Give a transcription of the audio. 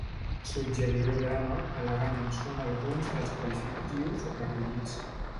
Suggeridor drama, elegant en són alguns dels qualificatius recollits.